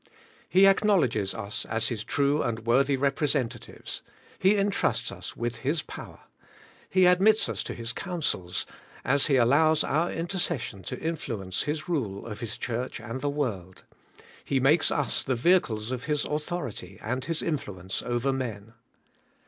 i. 12). He acknowledges ns as His true and worthy representatives; He entrusts us with His power; He admits us to His counsels, as He allows our interces sion to influence His rule of His Church and the world; He makes us the vehicles of His authority and His influence over men.